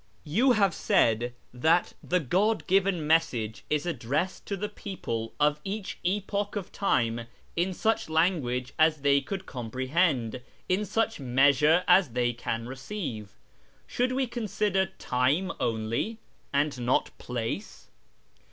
You have said that the God given message is addressed to the people of each epoch of time in such language as they can comprehend, in such measure as tliey can receive. Should we consider time only, and not hxcc ?